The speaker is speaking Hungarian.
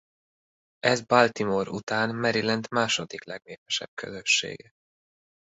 Ez Baltimore után Maryland második legnépesebb közössége.